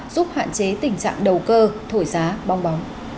giúp hạn chế tình trạng đầu cơ thổi giá bong bóng